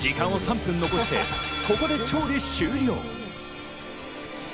時間を３分残して、ここで調理終了。